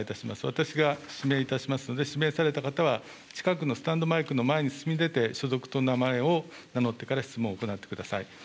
私が指名いたしますので、指名された方は、近くのスタンドマイクの前に進み出て、所属と名前を名乗ってから質問を行ってください。